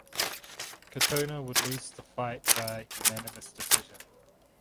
Katona would lose the fight via unanimous decision.